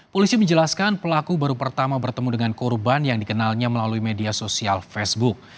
polisi menjelaskan pelaku baru pertama bertemu dengan korban yang dikenalnya melalui media sosial facebook